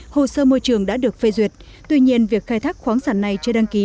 hồ sơ môi trường đã được phê duyệt tuy nhiên việc khai thác khoáng sản này chưa đăng ký